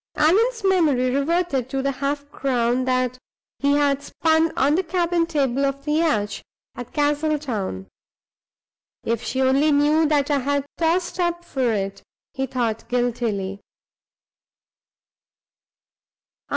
Allan's memory reverted to the half crown that he had spun on the cabin table of the yacht, at Castletown. "If she only knew that I had tossed up for it!" he thought, guiltily.